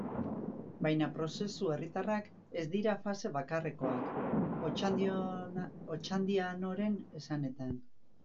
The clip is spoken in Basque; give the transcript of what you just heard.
Baina prozesu herritarrak ez dira fase bakarrekoak, Otxandianoren esanetan.